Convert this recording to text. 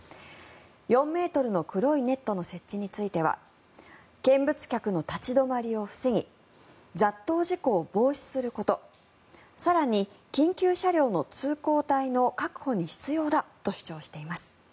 ４ｍの黒いネットの設置については見物客の立ち止まりを防ぎ雑踏事故を防止すること更に緊急車両の通行帯の確保に必要だと主張しています。